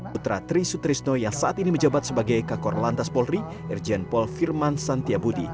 putra tri sutrisno yang saat ini menjabat sebagai kakor lantas polri irjen pol firman santiabudi